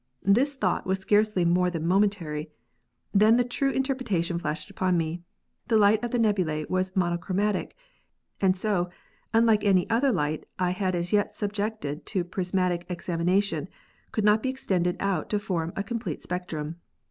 This thought was scarcely more than momentary ; then the true interpretation flashed upon me. The light of the nebula was monochromatic, and so, unlike any other light I had as yet subjected to prismatic examination, could not be extended out to form a complte spectrum.